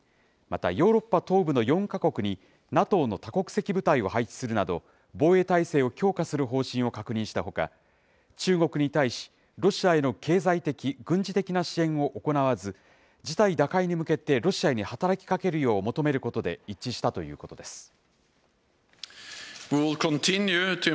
またヨーロッパ東部の４か国に、ＮＡＴＯの多国籍部隊を配置するなど、防衛態勢を強化する方針を確認したほか、中国に対し、ロシアへの経済的、軍事的な支援を行わず、事態打開に向けて、ロシアに働きかけるよう求めることで一致したということです。